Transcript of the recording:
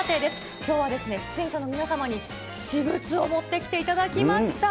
きょうは出演者の皆様に私物を持ってきていただきました。